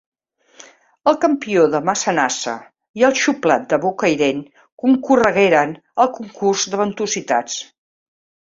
El campió de Massanassa i el xuplat de Bocairent concorregueren al concurs de ventositats.